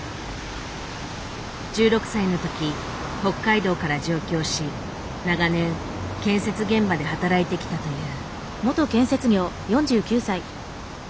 １６歳の時北海道から上京し長年建設現場で働いてきたという。